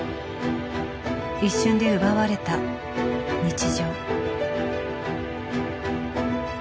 一瞬で奪われた日常。